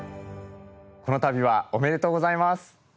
この度はおめでとうございます。